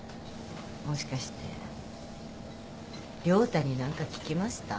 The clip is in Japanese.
もしかして涼太に何か聞きました？